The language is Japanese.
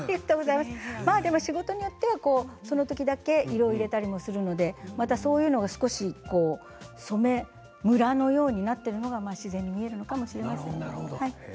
仕事によってはそのときだけ色も入れたりするので、そういうのも少し染めムラのようになっているのが自然に見えるのかもしれません。